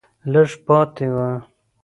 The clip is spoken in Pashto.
لږه پاتې وه